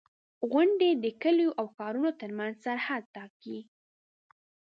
• غونډۍ د کليو او ښارونو ترمنځ سرحد ټاکي.